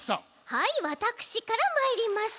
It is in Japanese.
はいわたくしからまいります。